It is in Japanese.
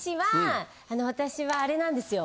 私はあれなんですよ。